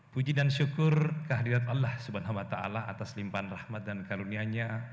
puji dan syukur kehadirat allah swt atas limpan rahmat dan karunianya